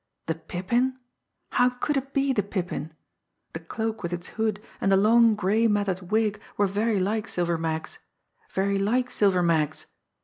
The Pippin! How could it be the Pippin! The cloak with its hood, and the long, gray matted wig were very like Silver Mag's very like Silver Mag's!